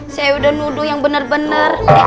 saya udah nuduh yang bener bener